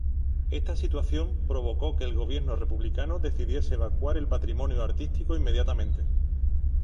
Esta situación provocó que el gobierno republicano decidiese evacuar el patrimonio artístico inmediatamente.